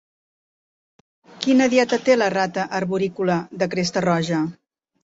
Quina dieta té la rata arborícola de cresta roja?